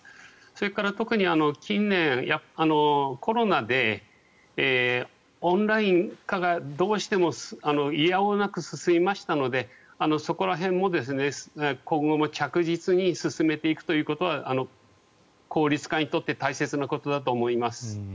それから特に近年コロナでオンライン化がどうしても否応なく進みましたのでそこら辺も今後も着実に進めていくということは効率化にとって大切なことだと思います。